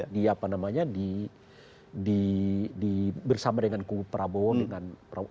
di apa namanya di bersama dengan prabowo